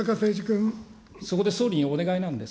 そこで総理にお願いなんです。